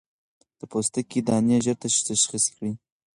د پوستکي دانې ژر تشخيص کړئ.